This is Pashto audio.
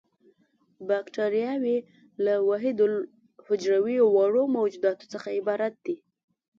باکټریاوې له وحیدالحجروي وړو موجوداتو څخه عبارت دي.